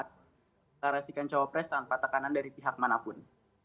kita resikan cawapres tanpa tekanan dari pihak manapun